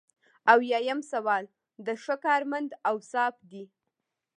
اویایم سوال د ښه کارمند اوصاف دي.